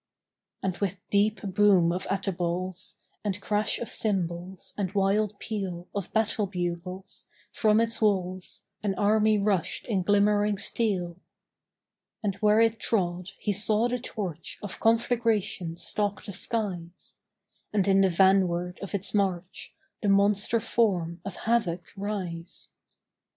And with deep boom of atabals And crash of cymbals and wild peal Of battle bugles, from its walls An army rushed in glimmering steel. And where it trod he saw the torch Of conflagration stalk the skies, And in the vanward of its march The monster form of Havoc rise.